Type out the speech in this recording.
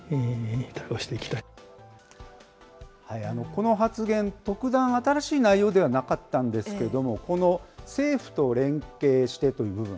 この発言、特段新しい内容ではなかったんですけれども、この政府と連携してという部分。